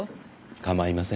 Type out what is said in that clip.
構いません。